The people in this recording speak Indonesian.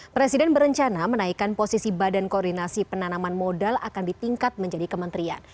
presiden berencana menaikkan posisi badan koordinasi penanaman modal akan ditingkat menjadi kementerian